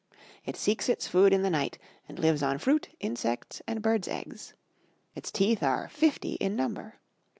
It seeks its food in the night, and lives on fruit, insects, and birds' eggs. Its teeth are fifty in number.